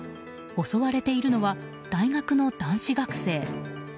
襲われているの大学の男子学生。